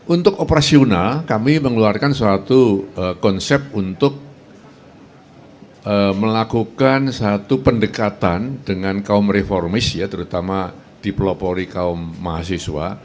untuk operasional kami mengeluarkan suatu konsep untuk melakukan satu pendekatan dengan kaum reformis ya terutama di pelopori kaum mahasiswa